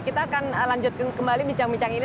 kita akan lanjutkan kembali bincang bincang ini